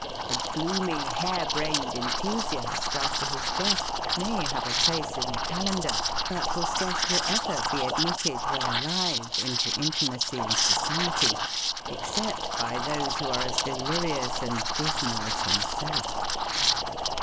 A gloomy, hair brained enthusiast, after his death, may have a place in the calendar; but will scarcely ever be admitted, when alive, into intimacy and society, except by those who are as delirious and dismal as himself.